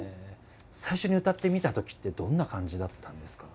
最初に歌ってみたときってどんな感じだったんですか？